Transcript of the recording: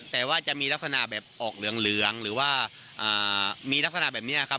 แต่ว่าจะมีลักษณะแบบออกเหลืองหรือว่ามีลักษณะแบบนี้ครับ